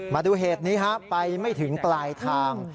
มาดูเหตุนี้ครับไปไม่ถึงปลายทาง